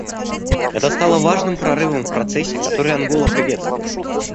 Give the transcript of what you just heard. Это стало важным прорывом в процессе, который Ангола приветствует.